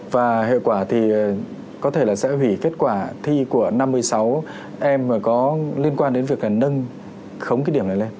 và hiệu quả thì có thể là sẽ hủy kết quả thi của năm một mươi sáu m mà có liên quan đến việc nâng khống cái điểm này lên